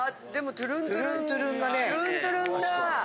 トゥルントゥルンだ！